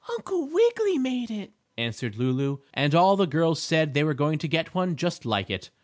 "Uncle Wiggily made it," answered Lulu, and all the girls said they were going to get one just like it.